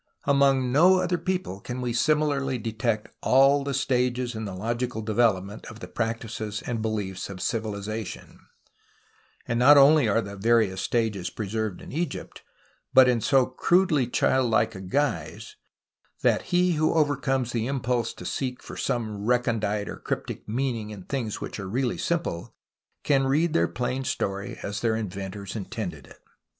Among no other people can we similarly detect all the stages in the logical development of the practices and beliefs of civilization — and not only are the various stages preserved in Egypt, but in so crudely childlike a guise that he who overcomes the impulse to seek for some recondite or cryptic meaning in things which are really simple can read their plain story as their inventors intended it.